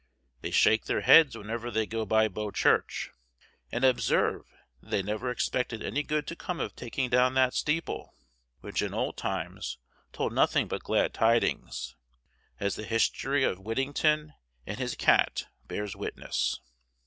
They shake their heads whenever they go by Bow Church, and observe that they never expected any good to come of taking down that steeple, which in old times told nothing but glad tidings, as the history of Whittington and his Cat bears witness.